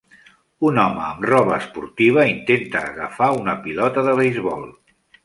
Un home amb roba esportiva intenta agafar una pilota de beisbol